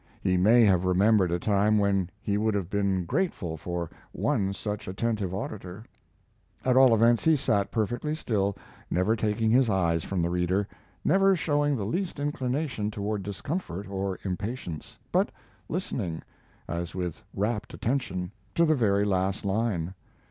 He may have remembered a time when he would have been grateful for one such attentive auditor. At all events, he sat perfectly still, never taking his eyes from the reader, never showing the least inclination toward discomfort or impatience, but listening, as with rapt attention, to the very last line.